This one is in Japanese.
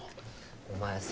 お前さ